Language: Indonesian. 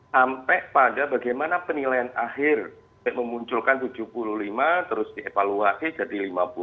sampai pada bagaimana penilaian akhir memunculkan tujuh puluh lima terus dievaluasi jadi lima puluh